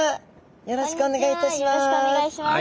よろしくお願いします。